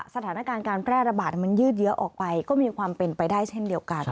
สถานการณ์การแพร่ระบาดมันยืดเยอะออกไปก็มีความเป็นไปได้เช่นเดียวกัน